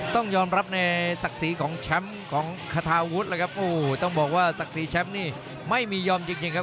ต้องยอมรับในศักดิ์ศรีของแชมป์ของคาทาวุฒิเลยครับโอ้โหต้องบอกว่าศักดิ์ศรีแชมป์นี่ไม่มียอมจริงจริงครับ